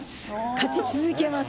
勝ち続けます！